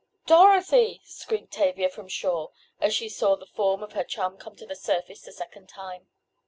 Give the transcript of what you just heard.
"Dorothy!" screamed Tavia from shore, as she saw the form of her chum come to the surface the second time.